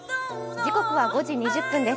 時刻は５時２０分です。